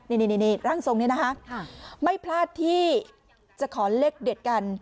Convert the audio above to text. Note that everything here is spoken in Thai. นี่ร่างทรงนี้นะคะไม่พลาดที่จะขอเลขเด็ดกัน